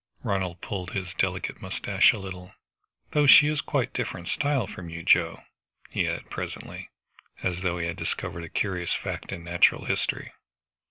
Ronald pulled his delicate moustache a little. "Though she is quite different style from you, Joe," he added presently, as though he had discovered a curious fact in natural history.